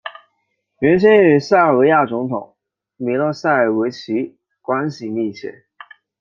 原先与塞尔维亚总统米洛塞维奇关系密切。